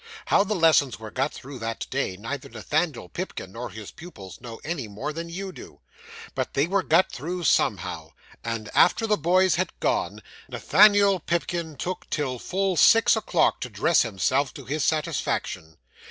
How the lessons were got through that day, neither Nathaniel Pipkin nor his pupils knew any more than you do; but they were got through somehow, and, after the boys had gone, Nathaniel Pipkin took till full six o'clock to dress himself to his satisfaction.